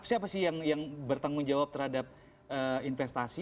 siapa sih yang bertanggung jawab terhadap investasi